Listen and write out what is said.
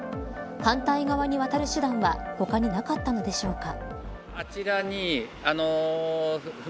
反対側に渡る手段は他になかったのでしょうか。